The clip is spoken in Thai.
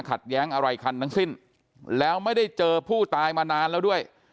แย้งอะไรคันทั้งสิ้นแล้วไม่ได้เจอผู้ตายมานานแล้วด้วย